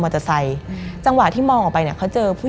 มันกลายเป็นรูปของคนที่กำลังขโมยคิ้วแล้วก็ร้องไห้อยู่